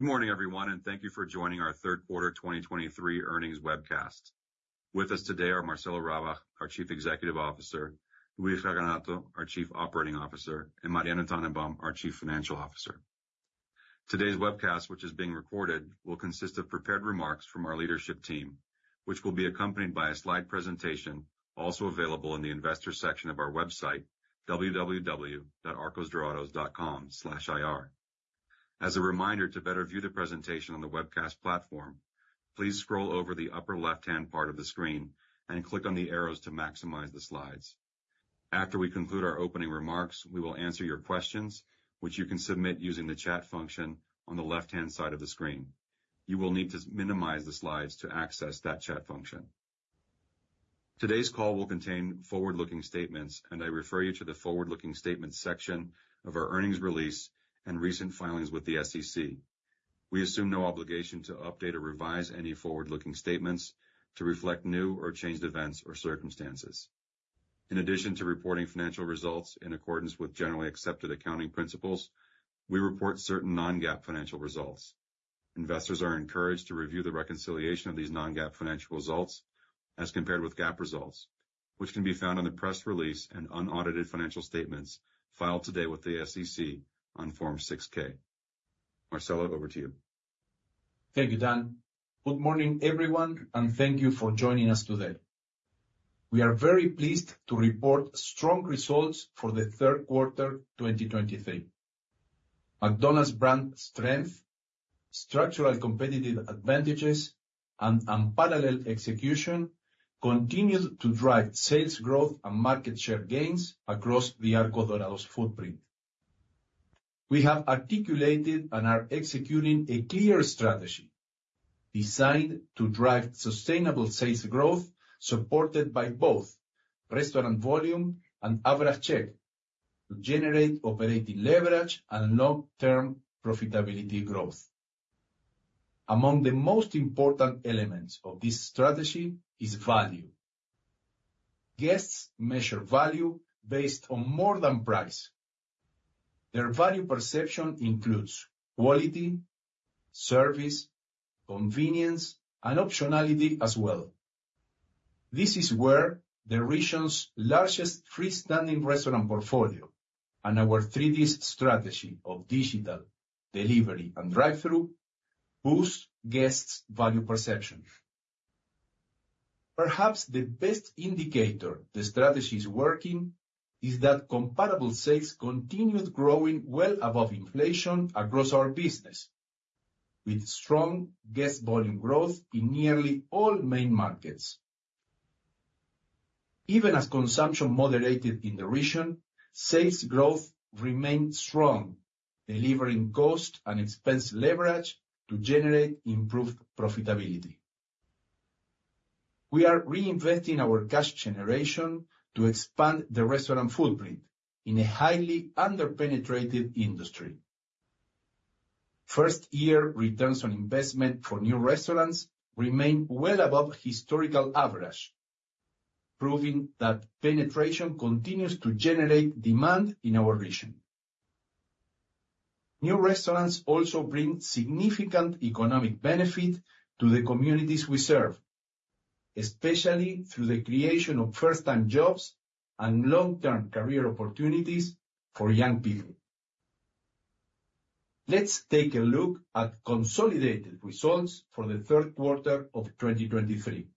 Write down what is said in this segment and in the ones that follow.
Good morning, everyone, and thank you for joining our Third Quarter 2023 Earnings Webcast. With us today are Marcelo Rabach, our Chief Executive Officer, Luis Raganato, our Chief Operating Officer, and Mariano Tannenbaum, our Chief Financial Officer. Today's webcast, which is being recorded, will consist of prepared remarks from our leadership team, which will be accompanied by a slide presentation, also available in the investor section of our website, www.arcosdorados.com/ir. As a reminder, to better view the presentation on the webcast platform, please scroll over the upper left-hand part of the screen and click on the arrows to maximize the slides. After we conclude our opening remarks, we will answer your questions, which you can submit using the chat function on the left-hand side of the screen. You will need to minimize the slides to access that chat function. Today's call will contain forward-looking statements, and I refer you to the forward-looking statements section of our earnings release and recent filings with the SEC. We assume no obligation to update or revise any forward-looking statements to reflect new or changed events or circumstances. In addition to reporting financial results in accordance with generally accepted accounting principles, we report certain non-GAAP financial results. Investors are encouraged to review the reconciliation of these non-GAAP financial results as compared with GAAP results, which can be found on the press release and unaudited financial statements filed today with the SEC on Form 6-K. Marcelo, over to you. Thank you, Dan. Good morning, everyone, and thank you for joining us today. We are very pleased to report strong results for the third quarter, 2023. McDonald's brand strength, structural competitive advantages, and unparalleled execution continued to drive sales growth and market share gains across the Arcos Dorados footprint. We have articulated and are executing a clear strategy designed to drive sustainable sales growth, supported by both restaurant volume and average check, to generate operating leverage and long-term profitability growth. Among the most important elements of this strategy is value. Guests measure value based on more than price. Their value perception includes quality, service, convenience, and optionality as well. This is where the region's largest freestanding restaurant portfolio and our three-Ds strategy of digital, delivery, and drive-thru boost guests' value perception. Perhaps the best indicator the strategy is working is that comparable sales continued growing well above inflation across our business, with strong guest volume growth in nearly all main markets. Even as consumption moderated in the region, sales growth remained strong, delivering cost and expense leverage to generate improved profitability. We are reinvesting our cash generation to expand the restaurant footprint in a highly under-penetrated industry. First-year returns on investment for new restaurants remain well above historical average, proving that penetration continues to generate demand in our region. New restaurants also bring significant economic benefit to the communities we serve, especially through the creation of first-time jobs and long-term career opportunities for young people. Let's take a look at consolidated results for the third quarter of 2023.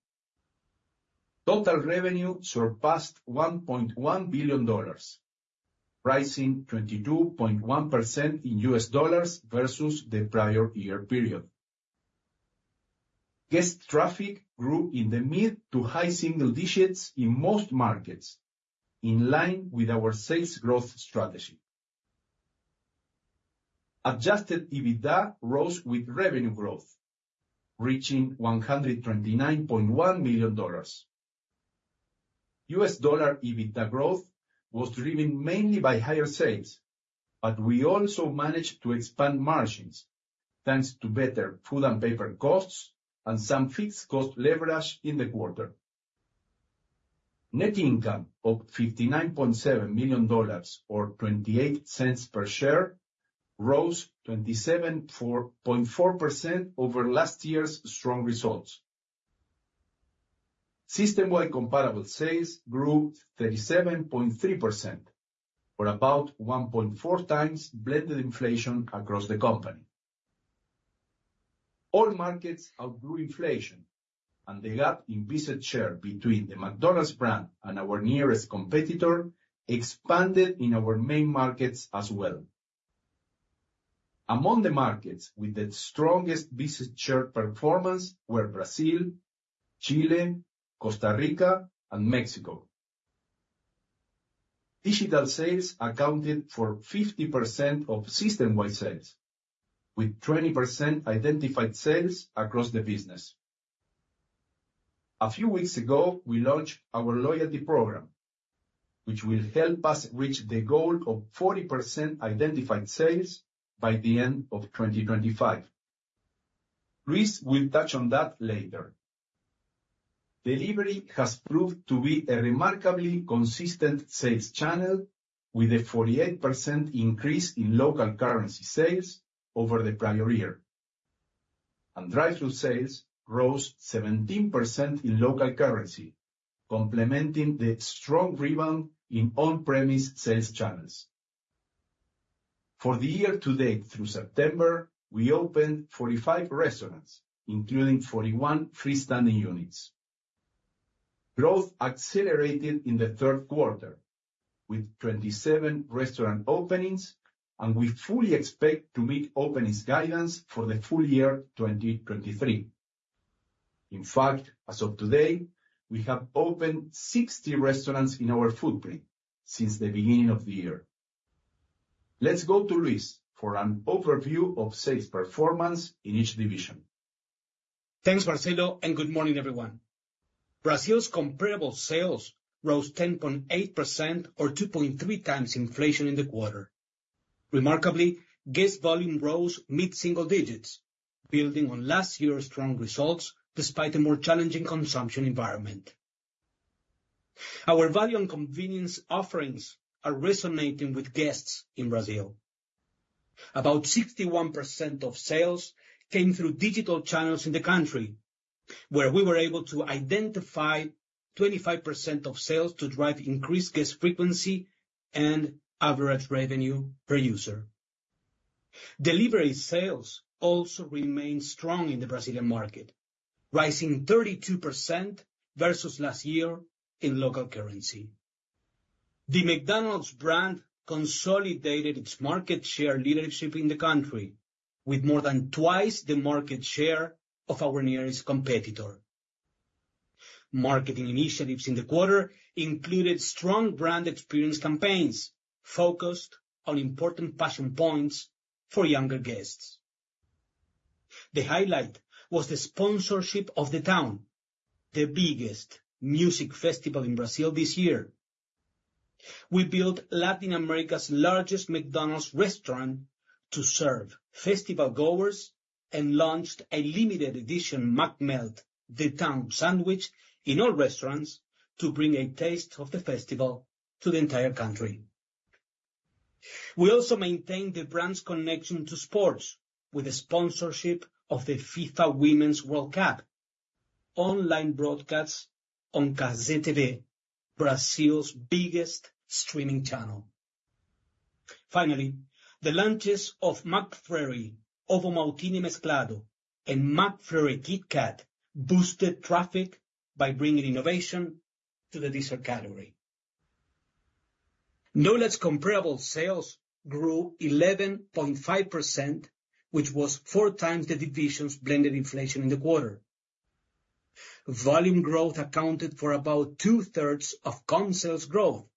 Total revenue surpassed $1.1 billion, rising 22.1% in U.S. dollars versus the prior year period. Guest traffic grew in the mid- to high-single digits in most markets, in line with our sales growth strategy. Adjusted EBITDA rose with revenue growth, reaching $129.1 million. U.S. dollar EBITDA growth was driven mainly by higher sales, but we also managed to expand margins, thanks to better food and paper costs and some fixed cost leverage in the quarter. Net income of $59.7 million, or $0.28 per share, rose 27.4% over last year's strong results. System-wide comparable sales grew 37.3% for about 1.4x blended inflation across the company. All markets outgrew inflation, and the gap in visit share between the McDonald's brand and our nearest competitor expanded in our main markets as well. Among the markets with the strongest visit share performance were Brazil, Chile, Costa Rica, and Mexico. Digital sales accounted for 50% of system-wide sales, with 20% identified sales across the business. A few weeks ago, we launched our loyalty program, which will help us reach the goal of 40% identified sales by the end of 2025. Luis will touch on that later. Delivery has proved to be a remarkably consistent sales channel, with a 48% increase in local currency sales over the prior year. Drive-thru sales rose 17% in local currency, complementing the strong rebound in on-premise sales channels. For the year to date through September, we opened 45 restaurants, including 41 freestanding units. Growth accelerated in the third quarter, with 27 restaurant openings, and we fully expect to meet openings guidance for the full year, 2023. In fact, as of today, we have opened 60 restaurants in our footprint since the beginning of the year. Let's go to Luis for an overview of sales performance in each division. Thanks, Marcelo, and good morning, everyone. Brazil's comparable sales rose 10.8%, or 2.3x inflation in the quarter. Remarkably, guest volume rose mid-single digits, building on last year's strong results despite a more challenging consumption environment. Our value and convenience offerings are resonating with guests in Brazil. About 61% of sales came through digital channels in the country, where we were able to identify 25% of sales to drive increased guest frequency and average revenue per user. Delivery sales also remain strong in the Brazilian market, rising 32% versus last year in local currency. The McDonald's brand consolidated its market share leadership in the country with more than twice the market share of our nearest competitor. Marketing initiatives in the quarter included strong brand experience campaigns focused on important passion points for younger guests. The highlight was the sponsorship of The Town, the biggest music festival in Brazil this year. We built Latin America's largest McDonald's restaurant to serve festival goers and launched a limited edition McMelt The Town sandwich in all restaurants to bring a taste of the festival to the entire country. We also maintained the brand's connection to sports with a sponsorship of the FIFA Women's World Cup, online broadcasts on CazéTV, Brazil's biggest streaming channel. Finally, the launches of McFlurry Ovomaltine Mesclado and McFlurry KitKat boosted traffic by bringing innovation to the dessert category. NOLAD's comparable sales grew 11.5%, which was 4x the division's blended inflation in the quarter. Volume growth accounted for about two-thirds of comp sales growth,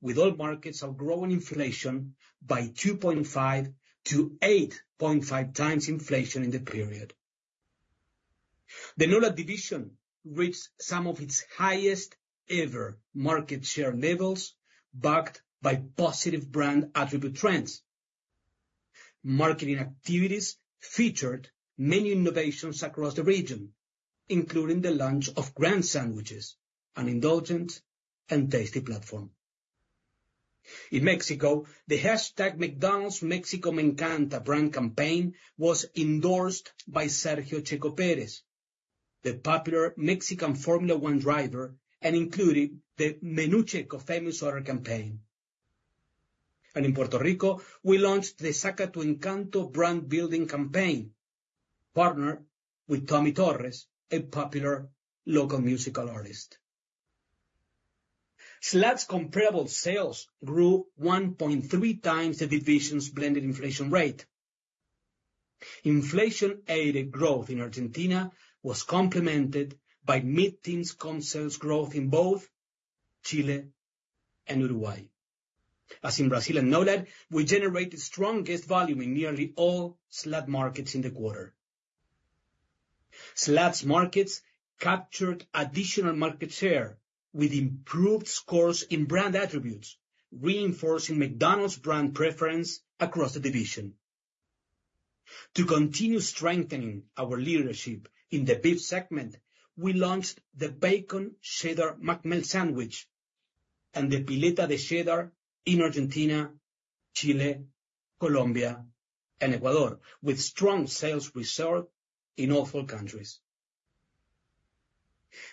with all markets outgrowing inflation by 2.5x-8.5x inflation in the period. The NOLAD division reached some of its highest-ever market share levels, backed by positive brand attribute trends. Marketing activities featured many innovations across the region, including the launch of Grand Sandwiches, an indulgent and tasty platform. In Mexico, the hashtag McDonald's Mexico Me Encanta brand campaign was endorsed by Sergio Checo Pérez, the popular Mexican Formula One driver, and included the Menu Checo Famous Order campaign. In Puerto Rico, we launched the Saca Tu Encanto brand building campaign, partnered with Tommy Torres, a popular local musical artist. SLAD's comparable sales grew 1.3x the division's blended inflation rate. Inflation-aided growth in Argentina was complemented by mid-teens comp sales growth in both Chile and Uruguay. As in Brazil and NOLAD, we generated strong guest volume in nearly all SLAD markets in the quarter. SLAD's markets captured additional market share with improved scores in brand attributes, reinforcing McDonald's brand preference across the division. To continue strengthening our leadership in the beef segment, we launched the Bacon Cheddar McMelt sandwich and the Pileta de Cheddar in Argentina, Chile, Colombia, and Ecuador, with strong sales results in all four countries.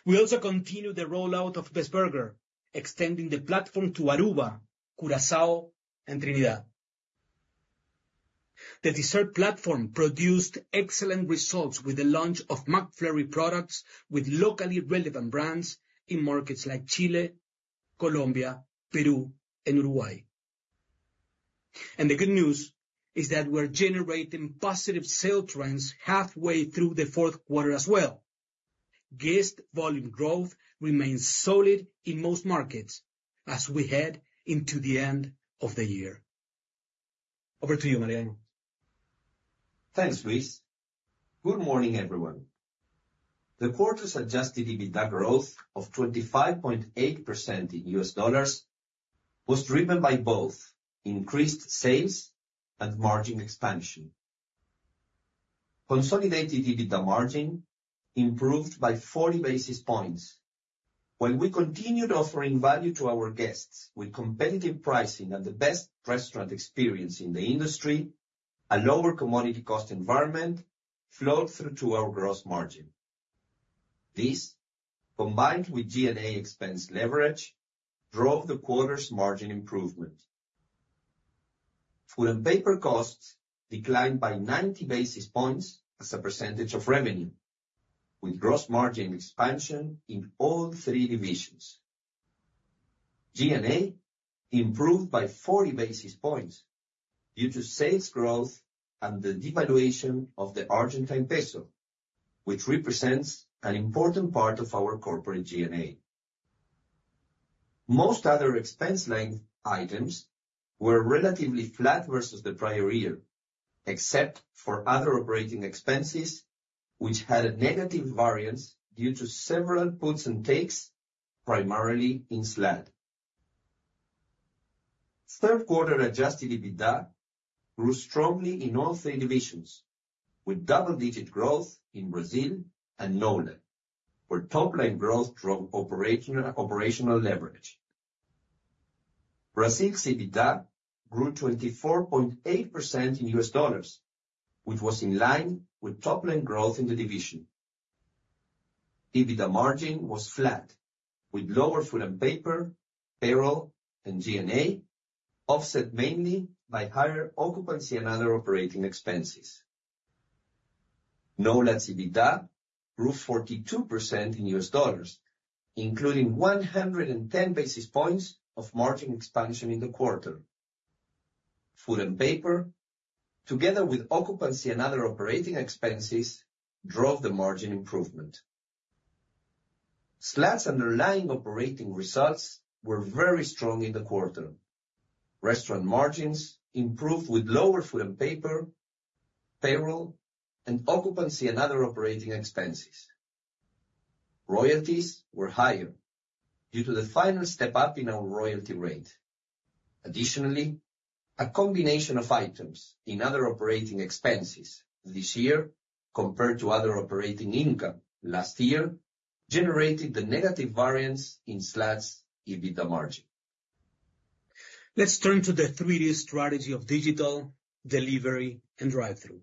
We also continued the rollout of Best Burger, extending the platform to Aruba, Curaçao, and Trinidad. The dessert platform produced excellent results with the launch of McFlurry products with locally relevant brands in markets like Chile, Colombia, Peru, and Uruguay. And the good news is that we're generating positive sales trends halfway through the fourth quarter as well. Guest volume growth remains solid in most markets as we head into the end of the year. Over to you, Mariano. Thanks, Luis. Good morning, everyone. The quarter's Adjusted EBITDA growth of 25.8% in U.S. dollars was driven by both increased sales and margin expansion. Consolidated EBITDA margin improved by 40 basis points. While we continued offering value to our guests with competitive pricing and the best restaurant experience in the industry, a lower commodity cost environment flowed through to our gross margin. This, combined with G&A expense leverage, drove the quarter's margin improvement. Food and paper costs declined by 90 basis points as a percentage of revenue, with gross margin expansion in all three divisions. G&A improved by 40 basis points due to sales growth and the devaluation of the Argentine peso, which represents an important part of our corporate G&A. Most other expense line items were relatively flat versus the prior year, except for other operating expenses, which had a negative variance due to several puts and takes, primarily in SLAD. Third quarter adjusted EBITDA grew strongly in all three divisions, with double-digit growth in Brazil and NOLAD, where top-line growth drove operational leverage. Brazil's EBITDA grew 24.8% in U.S. dollars, which was in line with top-line growth in the division. EBITDA margin was flat, with lower food and paper, payroll, and G&A, offset mainly by higher occupancy and other operating expenses. NOLAD's EBITDA grew 42% in U.S. dollars, including 110 basis points of margin expansion in the quarter. Food and paper, together with occupancy and other operating expenses, drove the margin improvement. SLAD's underlying operating results were very strong in the quarter. Restaurant margins improved with lower food and paper, payroll, and occupancy and other operating expenses. Royalties were higher due to the final step up in our royalty rate. Additionally, a combination of items in other operating expenses this year compared to other operating income last year, generated the negative variance in SLAD's EBITDA margin. Let's turn to the 3D Strategy of digital, delivery, and drive-thru.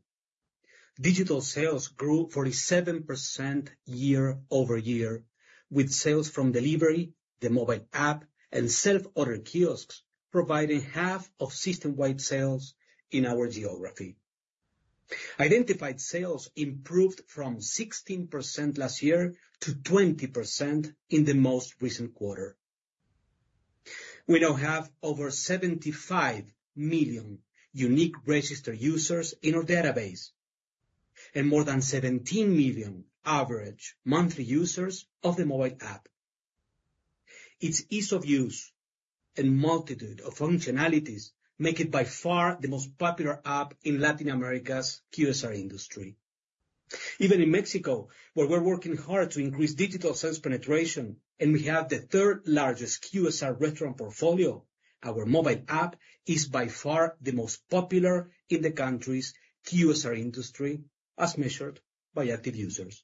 Digital sales grew 47% year-over-year, with sales from delivery, the mobile app, and self-order kiosks providing half of system-wide sales in our geography. Identified sales improved from 16% last year to 20% in the most recent quarter. We now have over 75 million unique registered users in our database and more than 17 million average monthly users of the mobile app. Its ease of use and multitude of functionalities make it by far the most popular app in Latin America's QSR industry. Even in Mexico, where we're working hard to increase digital sales penetration, and we have the third largest QSR restaurant portfolio, our mobile app is by far the most popular in the country's QSR industry, as measured by active users.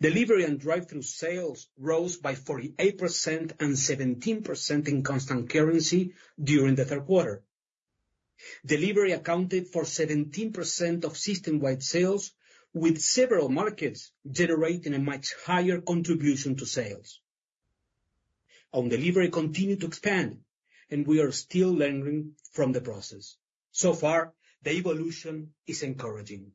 Delivery and drive-thru sales rose by 48% and 17% in constant currency during the third quarter. Delivery accounted for 17% of system-wide sales, with several markets generating a much higher contribution to sales. Our delivery continued to expand, and we are still learning from the process. So far, the evolution is encouraging.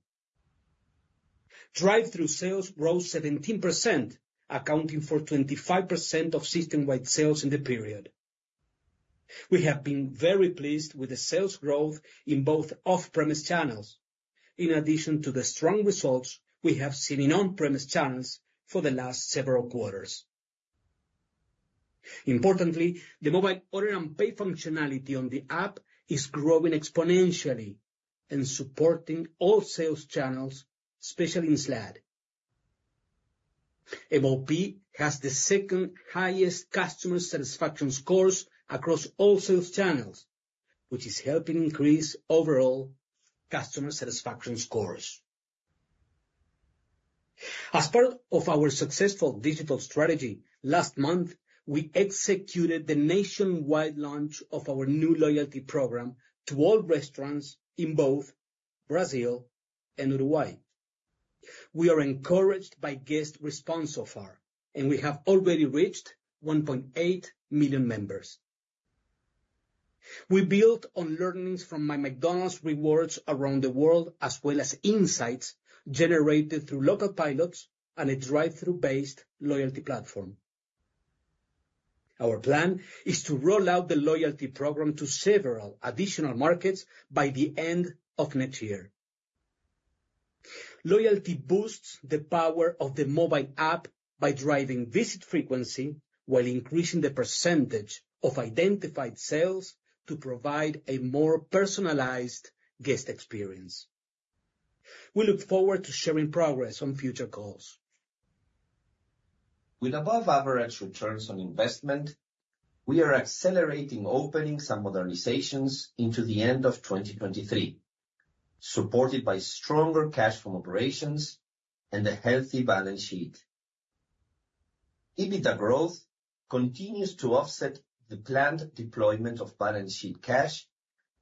Drive-thru sales grew 17%, accounting for 25% of system-wide sales in the period. We have been very pleased with the sales growth in both off-premise channels, in addition to the strong results we have seen in on-premise channels for the last several quarters. Importantly, the Mobile Order and Pay functionality on the app is growing exponentially and supporting all sales channels, especially in SLAD. MOP has the second-highest customer satisfaction scores across all sales channels, which is helping increase overall customer satisfaction scores. As part of our successful digital strategy, last month, we executed the nationwide launch of our new loyalty program to all restaurants in both Brazil and Uruguay. We are encouraged by guest response so far, and we have already reached 1.8 million members. We built on learnings from My McDonald's Rewards around the world, as well as insights generated through local pilots and a drive-thru-based loyalty platform. Our plan is to roll out the loyalty program to several additional markets by the end of next year. Loyalty boosts the power of the mobile app by driving visit frequency while increasing the percentage of identified sales to provide a more personalized guest experience. We look forward to sharing progress on future calls. With above-average returns on investment, we are accelerating openings and modernizations into the end of 2023, supported by stronger cash from operations and a healthy balance sheet. EBITDA growth continues to offset the planned deployment of balance sheet cash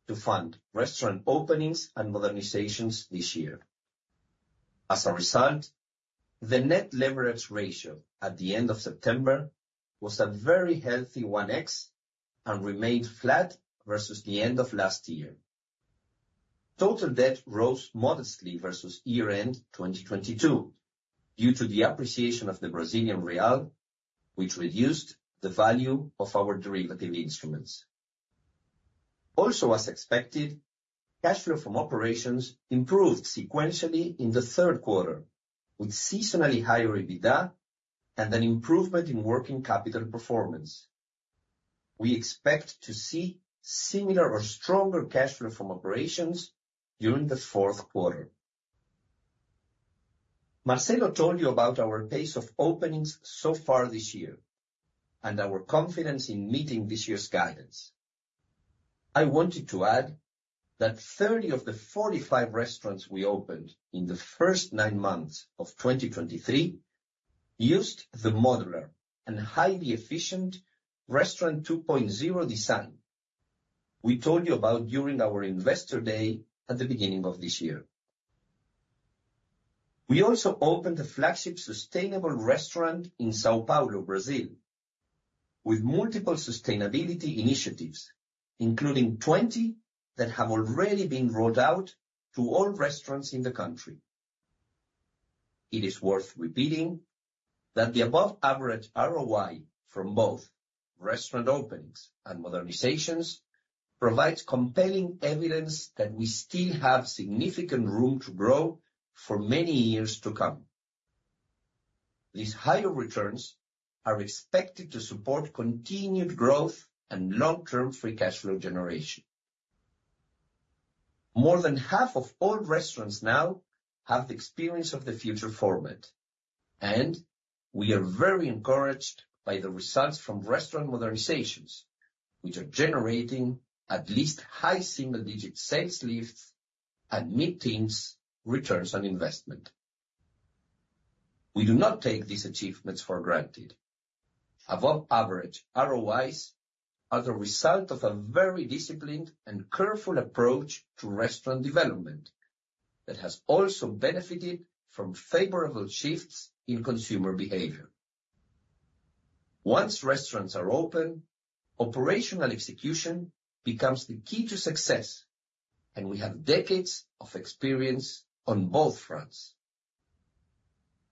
to fund restaurant openings and modernizations this year. As a result, the net leverage ratio at the end of September was a very healthy 1x and remained flat versus the end of last year. Total debt rose modestly versus year-end 2022, due to the appreciation of the Brazilian real, which reduced the value of our derivative instruments. Also, as expected, cash flow from operations improved sequentially in the third quarter, with seasonally higher EBITDA and an improvement in working capital performance. We expect to see similar or stronger cash flow from operations during the fourth quarter. Marcelo told you about our pace of openings so far this year and our confidence in meeting this year's guidance. I wanted to add that 30 of the 45 restaurants we opened in the first nine months of 2023 used the modular and highly efficient Restaurant 2.0 design we told you about during our Investor Day at the beginning of this year. We also opened a flagship sustainable restaurant in São Paulo, Brazil, with multiple sustainability initiatives, including 20 that have already been rolled out to all restaurants in the country. It is worth repeating that the above-average ROI from both restaurant openings and modernizations provides compelling evidence that we still have significant room to grow for many years to come. These higher returns are expected to support continued growth and long-term free cash flow generation. More than half of all restaurants now have the Experience of the Future format, and we are very encouraged by the results from restaurant modernizations, which are generating at least high single-digit sales lifts and mid-teens returns on investment. We do not take these achievements for granted. Above-average ROIs are the result of a very disciplined and careful approach to restaurant development that has also benefited from favorable shifts in consumer behavior. Once restaurants are open, operational execution becomes the key to success, and we have decades of experience on both fronts.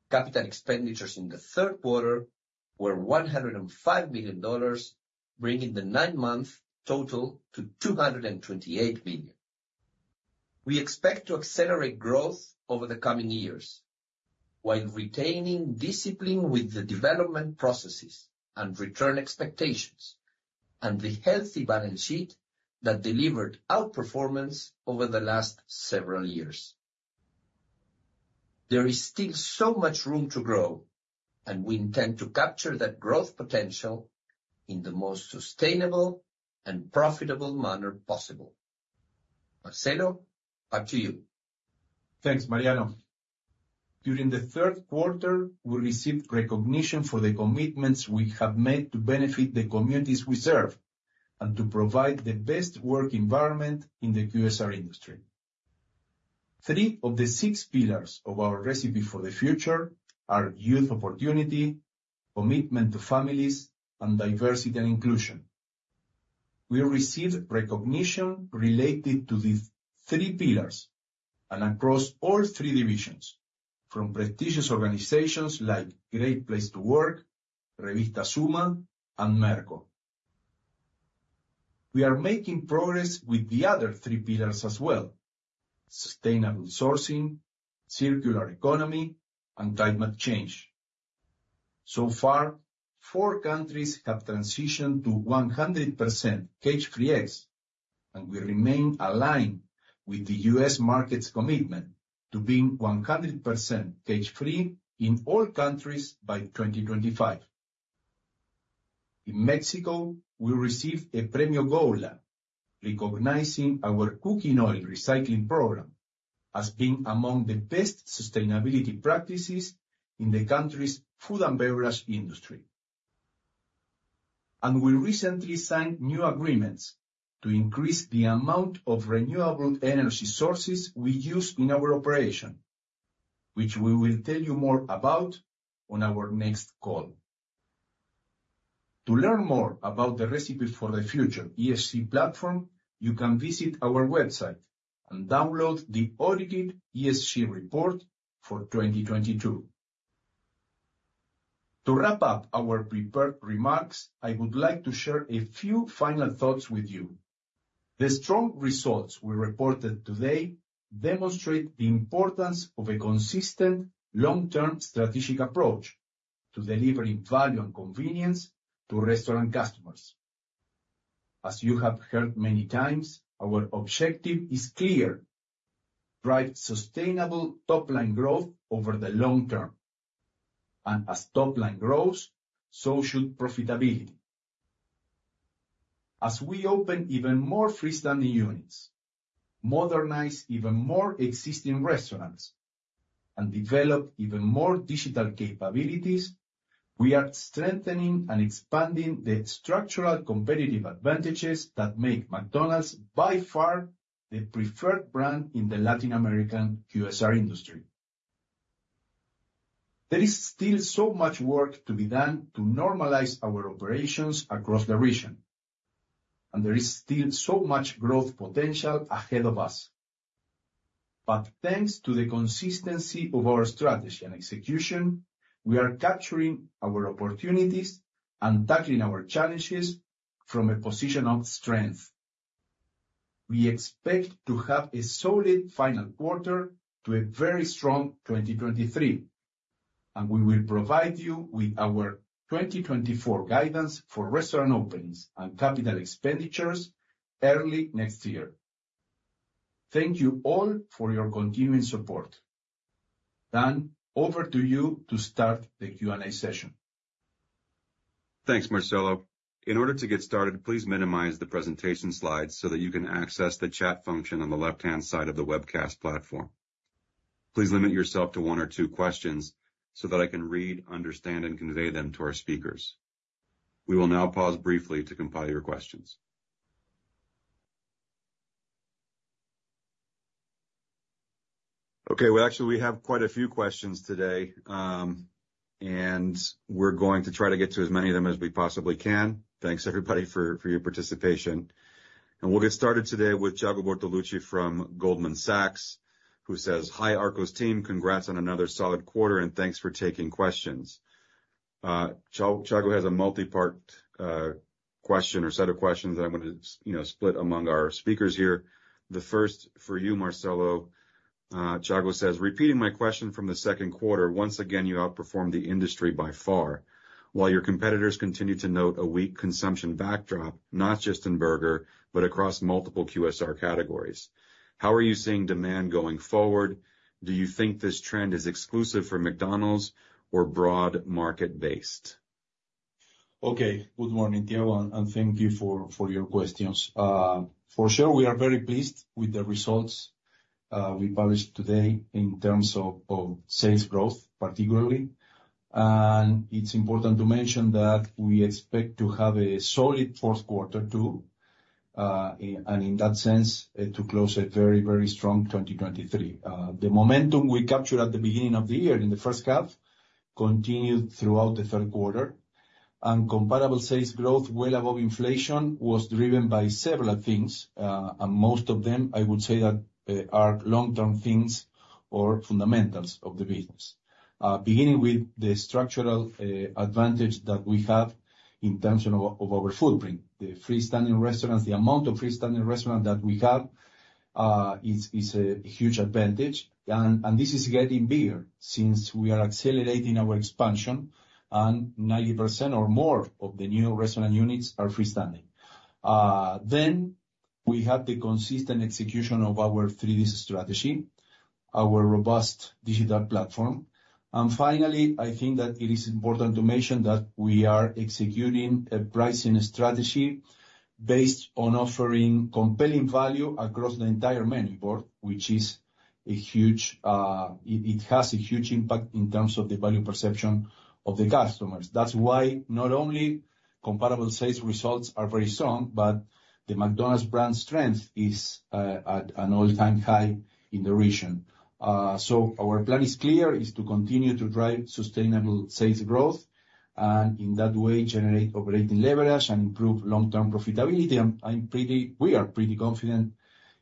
Capital expenditures in the third quarter were $105 million, bringing the nine-month total to $228 million. We expect to accelerate growth over the coming years, while retaining discipline with the development processes and return expectations, and the healthy balance sheet that delivered outperformance over the last several years. There is still so much room to grow, and we intend to capture that growth potential in the most sustainable and profitable manner possible. Marcelo, back to you. Thanks, Mariano. During the third quarter, we received recognition for the commitments we have made to benefit the communities we serve and to provide the best work environment in the QSR industry. Three of the six pillars of our Recipe for the Future are Youth Opportunity, Commitment to Families, and Diversity and Inclusion. We received recognition related to these three pillars and across all three divisions, from prestigious organizations like Great Place to Work, Revista Summa, and Merco. We are making progress with the other three pillars as well: Sustainable Sourcing, Circular Economy, and Climate Change. So far, four countries have transitioned to 100% cage-free eggs, and we remain aligned with the U.S. market's commitment to being 100% cage-free in all countries by 2025. In Mexico, we received a Premio Goula, recognizing our cooking oil recycling program as being among the best sustainability practices in the country's food and beverage industry. We recently signed new agreements to increase the amount of renewable energy sources we use in our operation, which we will tell you more about on our next call. To learn more about the Recipe for the Future ESG platform, you can visit our website and download the audited ESG report for 2022. To wrap up our prepared remarks, I would like to share a few final thoughts with you. The strong results we reported today demonstrate the importance of a consistent, long-term strategic approach to delivering value and convenience to restaurant customers. As you have heard many times, our objective is clear: drive sustainable top line growth over the long term, and as top line grows, so should profitability. As we open even more freestanding units, modernize even more existing restaurants, and develop even more digital capabilities, we are strengthening and expanding the structural competitive advantages that make McDonald's by far the preferred brand in the Latin American QSR industry. There is still so much work to be done to normalize our operations across the region, and there is still so much growth potential ahead of us. But thanks to the consistency of our strategy and execution, we are capturing our opportunities and tackling our challenges from a position of strength. We expect to have a solid final quarter to a very strong 2023, and we will provide you with our 2024 guidance for restaurant openings and capital expenditures early next year. Thank you all for your continuing support. Dan, over to you to start the Q&A session. Thanks, Marcelo. In order to get started, please minimize the presentation slides so that you can access the chat function on the left-hand side of the webcast platform. Please limit yourself to one or two questions so that I can read, understand, and convey them to our speakers. We will now pause briefly to compile your questions. Okay, well, actually, we have quite a few questions today, and we're going to try to get to as many of them as we possibly can. Thanks, everybody, for your participation. And we'll get started today with Thiago Bortolucci from Goldman Sachs, who says, "Hi, Arcos team. Congrats on another solid quarter, and thanks for taking questions." Thiago has a multipart question or set of questions that I'm gonna, you know, split among our speakers here. The first for you, Marcelo. Thiago says, "Repeating my question from the second quarter, once again, you outperformed the industry by far, while your competitors continue to note a weak consumption backdrop, not just in burger, but across multiple QSR categories. How are you seeing demand going forward? Do you think this trend is exclusive for McDonald's or broad market-based? Okay. Good morning, Thiago, and thank you for your questions. For sure, we are very pleased with the results we published today in terms of sales growth, particularly. And it's important to mention that we expect to have a solid fourth quarter too, and in that sense, to close a very, very strong 2023. The momentum we captured at the beginning of the year, in the first half, continued throughout the third quarter. And comparable sales growth, well above inflation, was driven by several things. And most of them, I would say, are long-term things or fundamentals of the business. Beginning with the structural advantage that we have in terms of our footprint. The freestanding restaurants, the amount of freestanding restaurants that we have, is a huge advantage. This is getting bigger since we are accelerating our expansion, and 90% or more of the new restaurant units are freestanding. Then we have the consistent execution of our 3D strategy, our robust digital platform. And finally, I think that it is important to mention that we are executing a pricing strategy based on offering compelling value across the entire menu board, which is a huge. It has a huge impact in terms of the value perception of the customers. That's why not only comparable sales results are very strong, but the McDonald's brand strength is at an all-time high in the region. So our plan is clear, is to continue to drive sustainable sales growth, and in that way, generate operating leverage and improve long-term profitability. We are pretty confident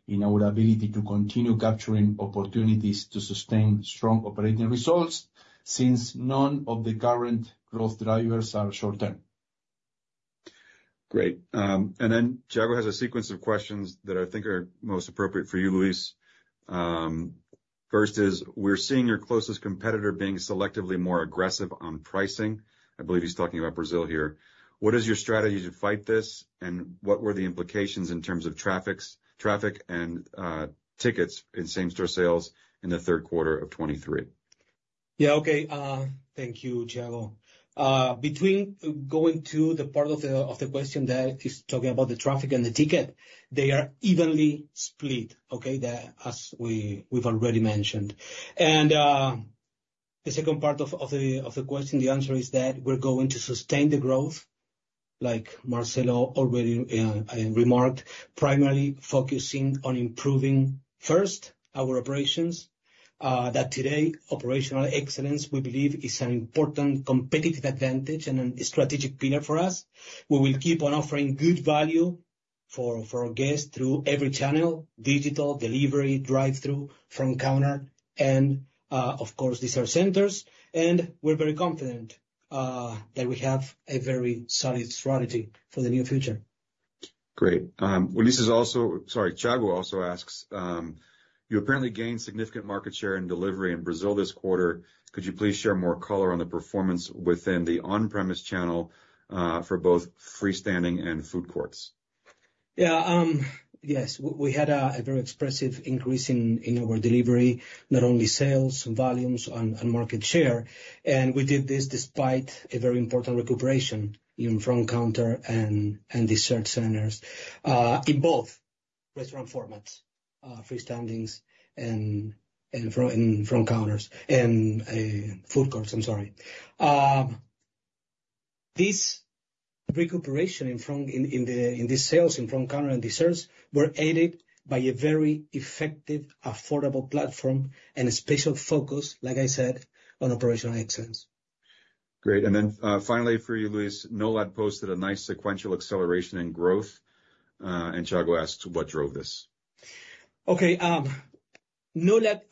in our ability to continue capturing opportunities to sustain strong operating results since none of the current growth drivers are short term. Great. And then Thiago has a sequence of questions that I think are most appropriate for you, Luis. First is, we're seeing your closest competitor being selectively more aggressive on pricing. I believe he's talking about Brazil here. What is your strategy to fight this, and what were the implications in terms of traffics, traffic and, tickets in same-store sales in the third quarter of 2023? Yeah, okay. Thank you, Thiago. Between going to the part of the question that is talking about the traffic and the ticket, they are evenly split, okay? As we've already mentioned. The second part of the question, the answer is that we're going to sustain the growth, like Marcelo already remarked, primarily focusing on improving, first, our operations. Today, operational excellence, we believe, is an important competitive advantage and a strategic pillar for us. We will keep on offering good value for our guests through every channel: digital, delivery, drive-thru, front counter, and, of course, dessert centers. We're very confident that we have a very solid strategy for the near future. Great. Well, sorry. Thiago also asks, "You apparently gained significant market share in delivery in Brazil this quarter. Could you please share more color on the performance within the on-premise channel for both freestanding and food courts? Yeah, yes, we had a very expressive increase in our delivery, not only sales, volumes, and market share, and we did this despite a very important recuperation in front counter and dessert centers in both restaurant formats, freestanding and front counters, and food courts, I'm sorry. This recuperation in the sales in front counter and desserts were aided by a very effective, affordable platform and a special focus, like I said, on operational excellence. Great. And then, finally, for you, Luis, NOLAD posted a nice sequential acceleration in growth, and Thiago asked what drove this? Okay, NOLAD's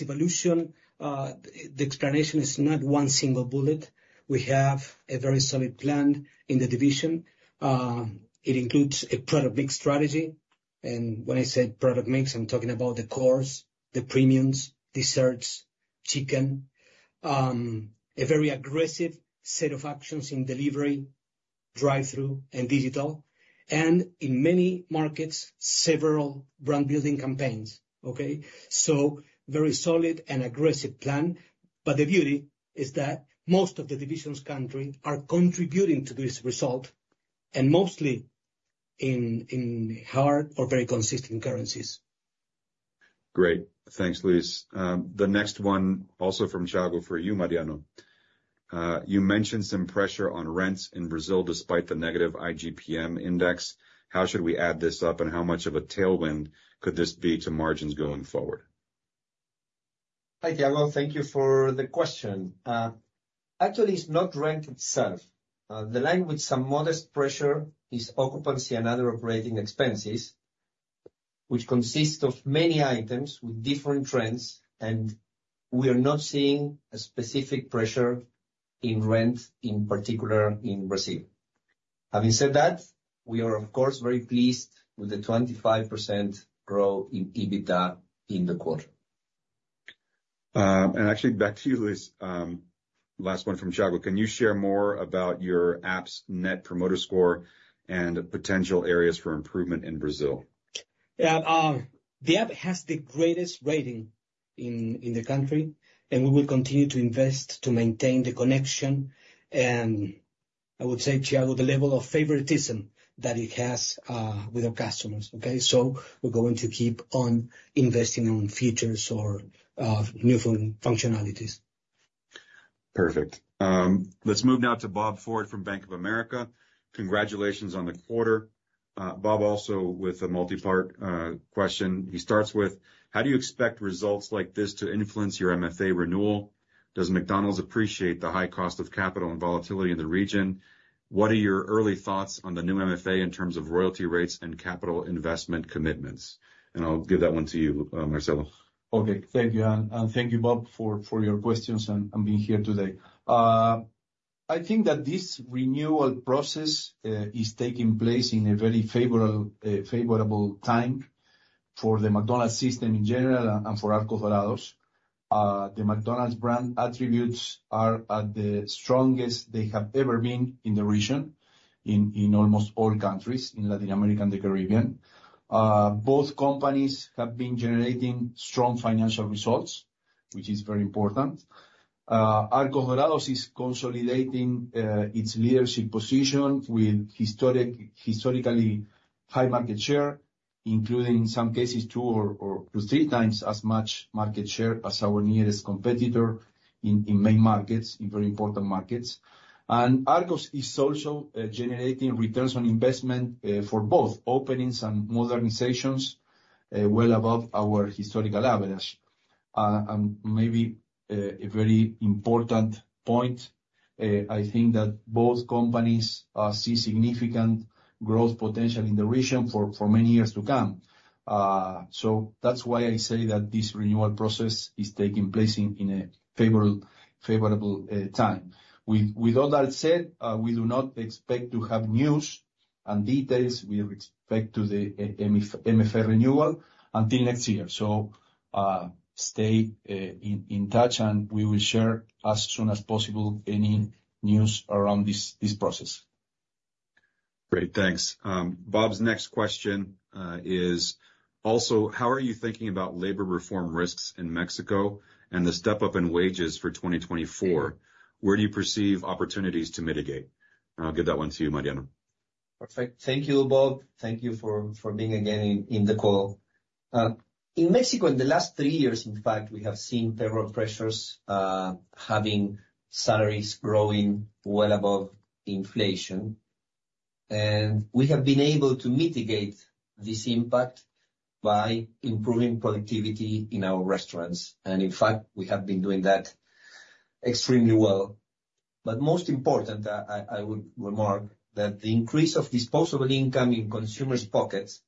evolution, the explanation is not one single bullet. We have a very solid plan in the division. It includes a product mix strategy, and when I say product mix, I'm talking about the cores, the premiums, desserts, chicken, a very aggressive set of actions in delivery, drive-thru, and digital, and in many markets, several brand building campaigns, okay? So very solid and aggressive plan, but the beauty is that most of the divisions country are contributing to this result, and mostly in hard or very consistent currencies. Great. Thanks, Luis. The next one, also from Thiago, for you, Mariano. You mentioned some pressure on rents in Brazil, despite the negative IGP-M index. How should we add this up, and how much of a tailwind could this be to margins going forward? Hi, Thiago. Thank you for the question. Actually, it's not rent itself. The line with some modest pressure is occupancy and other operating expenses, which consist of many items with different trends, and we are not seeing a specific pressure in rent, in particular in Brazil. Having said that, we are of course very pleased with the 25% growth in EBITDA in the quarter. Actually back to you, Luis, last one from Thiago: Can you share more about your app's Net Promoter Score and potential areas for improvement in Brazil? Yeah, the app has the greatest rating in the country, and we will continue to invest to maintain the connection, and I would say, Thiago, the level of favoritism that it has with our customers, okay? So we're going to keep on investing on features or new functionalities. Perfect. Let's move now to Bob Ford from Bank of America. Congratulations on the quarter. Bob, also with a multi-part question. He starts with: How do you expect results like this to influence your MFA renewal? Does McDonald's appreciate the high cost of capital and volatility in the region? What are your early thoughts on the new MFA in terms of royalty rates and capital investment commitments? And I'll give that one to you, Marcelo. Okay. Thank you, and thank you, Bob, for your questions and being here today. I think that this renewal process is taking place in a very favorable, favorable time for the McDonald's system in general and for Arcos Dorados. The McDonald's brand attributes are at the strongest they have ever been in the region, in almost all countries in Latin America and the Caribbean. Both companies have been generating strong financial results, which is very important. Arcos Dorados is consolidating its leadership position with historically high market share, including, in some cases, two to three times as much market share as our nearest competitor in main markets, in very important markets. And Arcos is also generating returns on investment for both openings and modernizations well above our historical average. And maybe a very important point, I think that both companies see significant growth potential in the region for many years to come. So that's why I say that this renewal process is taking place in a favorable time. With all that said, we do not expect to have news and details we expect to the MFA renewal until next year. So stay in touch, and we will share, as soon as possible, any news around this process. Great, thanks. Bob's next question is: Also, how are you thinking about labor reform risks in Mexico and the step up in wages for 2024? Where do you perceive opportunities to mitigate? And I'll give that one to you, Mariano. Perfect. Thank you, Bob. Thank you for being again in the call. In Mexico, in the last three years, in fact, we have seen several pressures, having salaries growing well above inflation, and we have been able to mitigate this impact by improving productivity in our restaurants. And in fact, we have been doing that extremely well. But most important, I would remark that the increase of disposable income in consumers' pockets,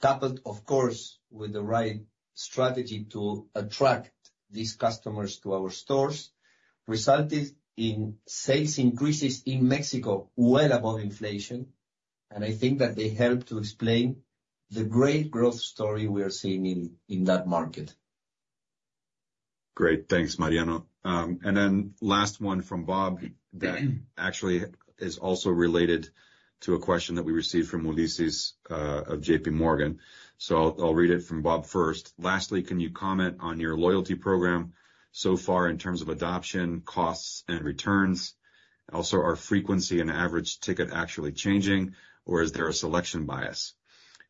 coupled, of course, with the right strategy to attract these customers to our stores, resulted in sales increases in Mexico, well above inflation, and I think that they help to explain the great growth story we are seeing in that market. Great. Thanks, Mariano. And then last one from Bob, that actually is also related to a question that we received from Ulises of JPMorgan. So I'll read it from Bob first. "Lastly, can you comment on your loyalty program so far in terms of adoption, costs, and returns? Also, are frequency and average ticket actually changing, or is there a selection bias?"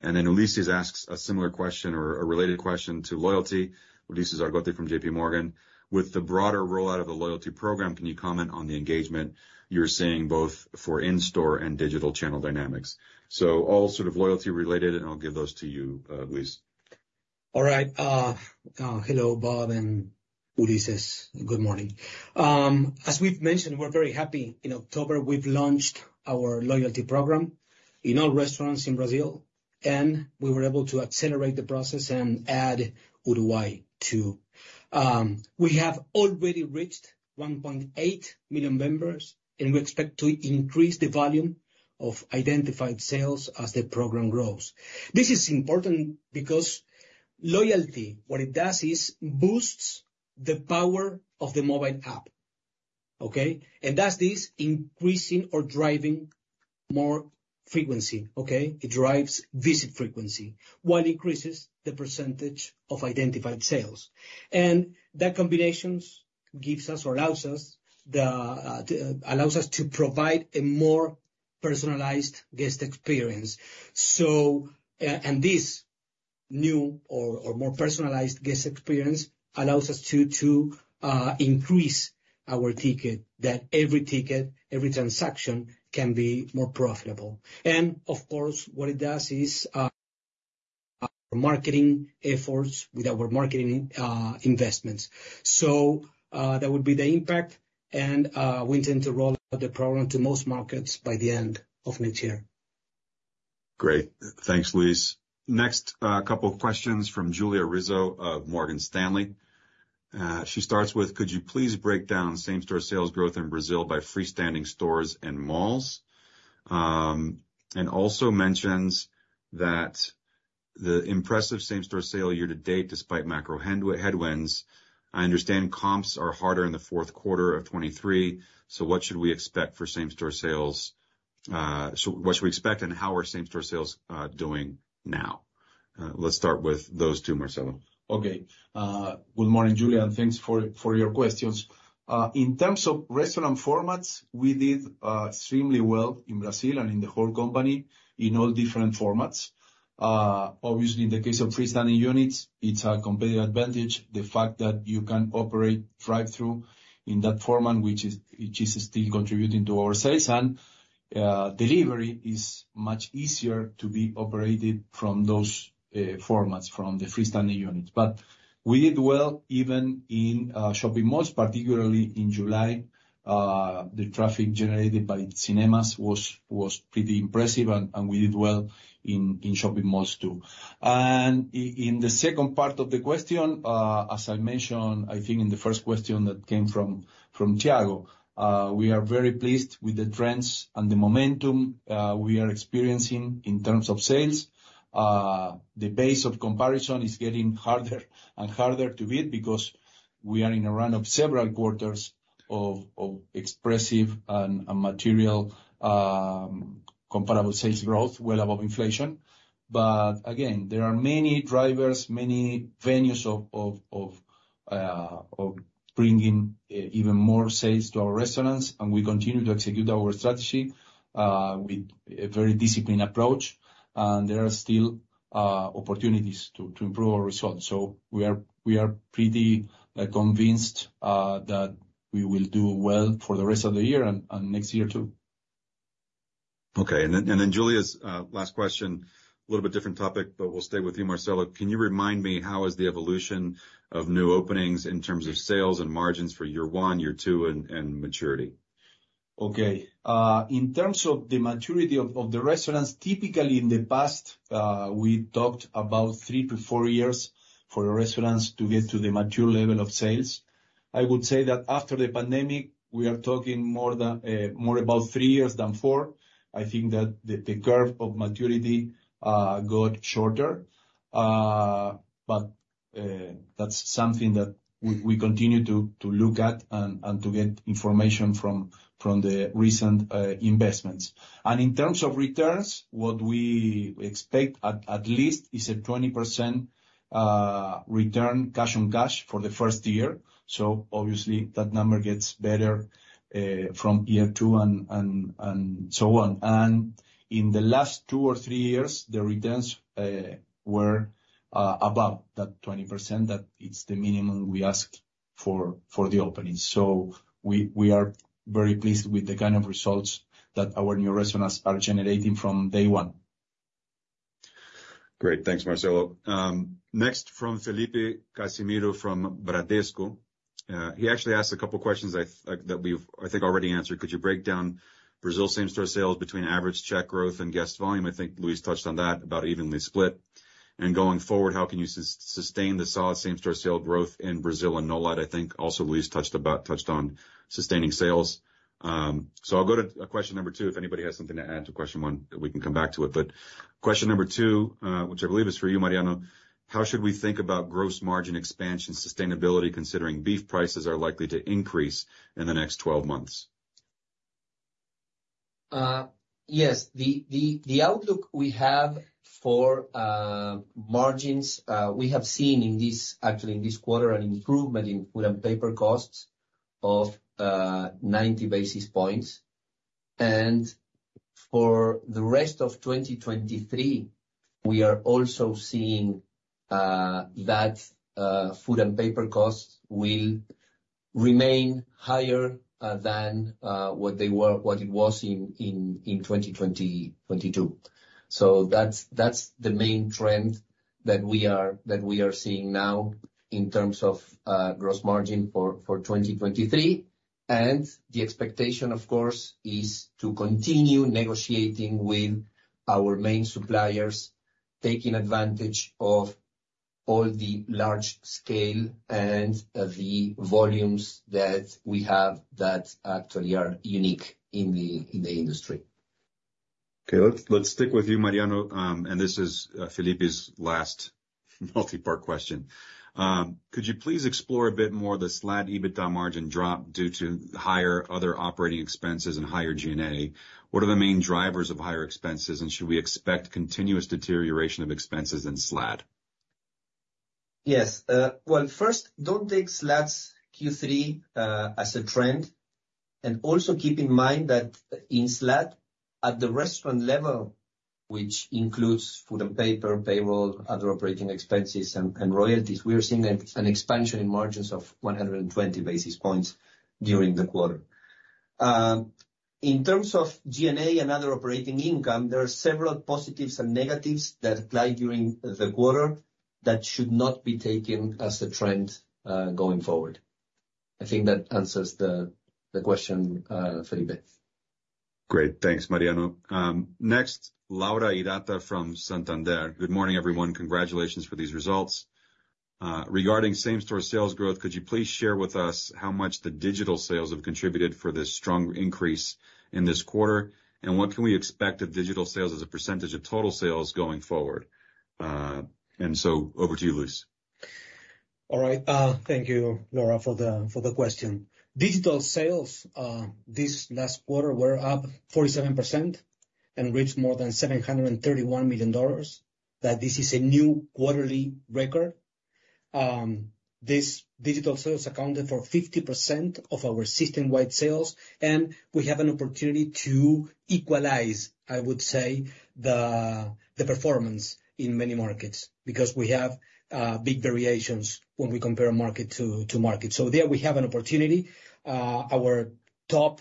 And then Ulises asks a similar question or a related question to loyalty. Ulises Argote from JPMorgan: "With the broader rollout of the loyalty program, can you comment on the engagement you're seeing both for in-store and digital channel dynamics?" So all sort of loyalty related, and I'll give those to you, Luis. All right. Hello, Bob and Ulises. Good morning. As we've mentioned, we're very happy. In October, we've launched our loyalty program in all restaurants in Brazil, and we were able to accelerate the process and add Uruguay, too. We have already reached 1.8 million members, and we expect to increase the volume of identified sales as the program grows. This is important because loyalty, what it does is boosts the power of the mobile app, okay? And does this increasing or driving more frequency, okay? It drives visit frequency, while increases the percentage of identified sales. And that combinations gives us or allows us the, allows us to provide a more personalized guest experience. So, and this new or more personalized guest experience allows us to increase our ticket, that every ticket, every transaction can be more profitable. Of course, what it does is our marketing efforts with our marketing investments. That would be the impact, and we intend to roll out the program to most markets by the end of next year. Great. Thanks, Luis. Next, couple of questions from Julia Rizzo of Morgan Stanley. She starts with: "Could you please break down same-store sales growth in Brazil by freestanding stores and malls?" And also mentions that the impressive same-store sales year to date, despite macro headwinds, I understand comps are harder in the fourth quarter of 2023, so what should we expect for same-store sales? So what should we expect, and how are same-store sales doing now? Let's start with those two, Marcelo. Okay. Good morning, Julia, and thanks for your questions. In terms of restaurant formats, we did extremely well in Brazil and in the whole company, in all different formats. Obviously, in the case of freestanding units, it's a competitive advantage. The fact that you can operate drive-thru in that format, which is still contributing to our sales. And delivery is much easier to be operated from those formats, from the freestanding units. But we did well even in shopping malls, particularly in July. The traffic generated by cinemas was pretty impressive, and we did well in shopping malls, too. In the second part of the question, as I mentioned, I think in the first question that came from Thiago, we are very pleased with the trends and the momentum we are experiencing in terms of sales. The base of comparison is getting harder and harder to beat because we are in a run of several quarters of expressive and material comparable sales growth, well above inflation. But again, there are many drivers, many venues of bringing even more sales to our restaurants, and we continue to execute our strategy with a very disciplined approach. And there are still opportunities to improve our results. So we are pretty convinced that we will do well for the rest of the year and next year, too. Okay. And then Julia's last question, a little bit different topic, but we'll stay with you, Marcelo. Can you remind me how is the evolution of new openings in terms of sales and margins for year one, year two, and maturity? Okay. In terms of the maturity of the restaurants, typically in the past, we talked about three-four years for the restaurants to get to the mature level of sales. I would say that after the pandemic, we are talking more about three years than four. I think that the curve of maturity got shorter. But that's something that we continue to look at and to get information from the recent investments. And in terms of returns, what we expect at least is a 20% return, cash on cash, for the first year. So obviously, that number gets better from year two and so on. And in the last two or three years, the returns were above that 20%. That is the minimum we ask for, for the opening. So we are very pleased with the kind of results that our new restaurants are generating from day one. Great. Thanks, Marcelo. Next from Felipe Cassimiro, from Bradesco. He actually asked a couple questions that we've, I think, already answered: Could you break down Brazil same-store sales between average check growth and guest volume? I think Luis touched on that, about evenly split. And going forward, how can you sustain the solid same-store sale growth in Brazil and NOLAD? I think also Luis touched on sustaining sales. So I'll go to question number two. If anybody has something to add to question one, we can come back to it. But question number two, which I believe is for you, Mariano: how should we think about gross margin expansion sustainability, considering beef prices are likely to increase in the next twelve months? Yes, the outlook we have for margins, we have seen in this, actually, in this quarter, an improvement in food and paper costs of 90 basis points. And for the rest of 2023, we are also seeing that food and paper costs will remain higher than what they were, what it was in 2022. So that's the main trend that we are seeing now in terms of gross margin for 2023. And the expectation, of course, is to continue negotiating with our main suppliers, taking advantage of all the large scale and the volumes that we have that actually are unique in the industry. Okay, let's stick with you, Mariano. And this is Felipe's last multi-part question. Could you please explore a bit more the SLAD EBITDA margin drop due to higher other operating expenses and higher G&A? What are the main drivers of higher expenses, and should we expect continuous deterioration of expenses in SLAD? Yes. Well, first, don't take SLAD's Q3 as a trend, and also keep in mind that in SLAD, at the restaurant level, which includes food and paper, payroll, other operating expenses, and royalties, we are seeing an expansion in margins of 120 basis points during the quarter. In terms of G&A and other operating income, there are several positives and negatives that apply during the quarter that should not be taken as a trend going forward. I think that answers the question, Felipe. Great. Thanks, Mariano. Next, Laura Hirata from Santander. Good morning, everyone. Congratulations for these results. Regarding same-store sales growth, could you please share with us how much the digital sales have contributed for this strong increase in this quarter? And what can we expect of digital sales as a percentage of total sales going forward? And so over to you, Luis. All right. Thank you, Laura, for the, for the question. Digital sales this last quarter were up 47% and reached more than $731 million, that this is a new quarterly record. This digital sales accounted for 50% of our system-wide sales, and we have an opportunity to equalize, I would say, the, the performance in many markets, because we have big variations when we compare market to, to market. So there we have an opportunity. Our top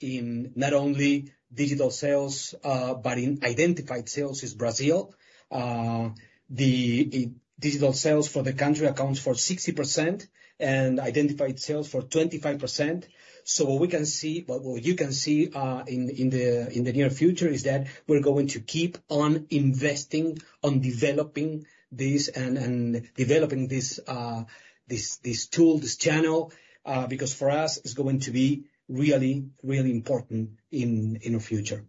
in not only digital sales, but in identified sales is Brazil. The digital sales for the country accounts for 60% and identified sales for 25%. So what we can see, but what you can see, in the near future, is that we're going to keep on investing on developing this and developing this tool, this channel, because for us, it's going to be really, really important in the future.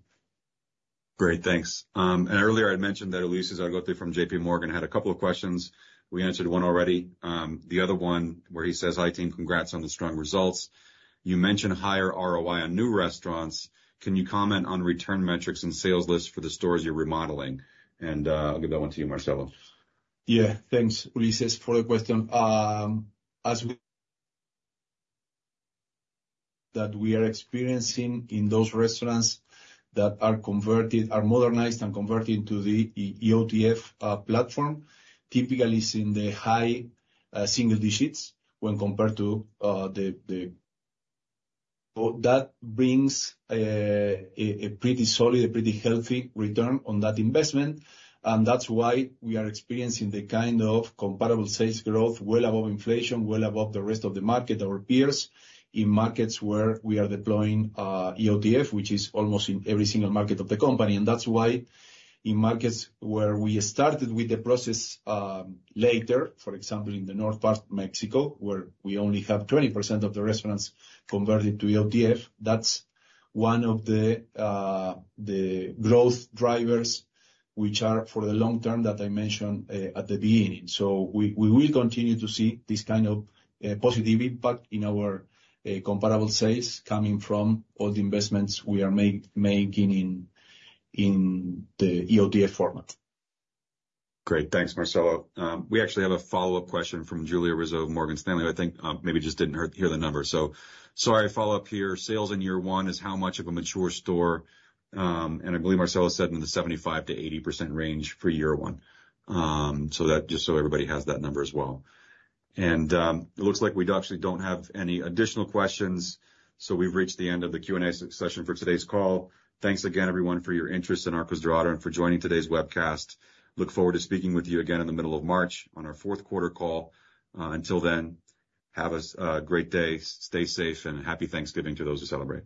Great, thanks. And earlier, I'd mentioned that Ulises Argote from JPMorgan had a couple of questions. We answered one already. The other one where he says, "Hi, team, congrats on the strong results. You mentioned higher ROI on new restaurants. Can you comment on return metrics and sales lift for the stores you're remodeling?" I'll give that one to you, Marcelo. Yeah. Thanks, Ulises, for the question. That we are experiencing in those restaurants that are converted, are modernized and converted to the EOTF platform, typically is in the high single digits when compared to the. But that brings a pretty solid, a pretty healthy return on that investment. And that's why we are experiencing the kind of comparable sales growth, well above inflation, well above the rest of the market, our peers in markets where we are deploying EOTF, which is almost in every single market of the company. That's why in markets where we started with the process later, for example, in the north part of Mexico, where we only have 20% of the restaurants converted to EOTF, that's one of the growth drivers, which are for the long term that I mentioned at the beginning. We will continue to see this kind of positive impact in our comparable sales coming from all the investments we are making in the EOTF format. Great. Thanks, Marcelo. We actually have a follow-up question from Julia Rizzo of Morgan Stanley, who I think maybe just didn't hear the number. So sorry, follow up here. Sales in year one is how much of a mature store? And I believe Marcelo said in the 75%-80% range for year one. So that just so everybody has that number as well. It looks like we actually don't have any additional questions, so we've reached the end of the Q&A session for today's call. Thanks again, everyone, for your interest in Arcos Dorados and for joining today's webcast. Look forward to speaking with you again in the middle of March on our fourth quarter call. Until then, have a great day, stay safe, and happy Thanksgiving to those who celebrate.